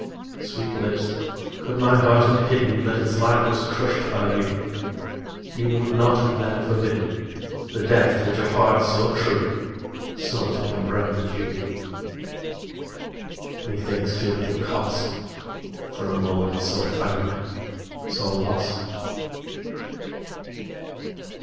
_15 4. Sweet lips, could my heart have hidden That its life was crushed by you, Ye would not have then forbidden The death which a heart so true Sought in your briny dew. _20 5. ......... Methinks too little cost For a moment so found, so lost!